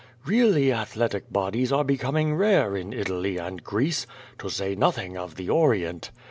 Really athletic bodies are becoming rare in Italy and Greece, to say nothing of the Orient.